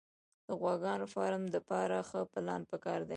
د غواګانو فارم دپاره ښه پلان پکار دی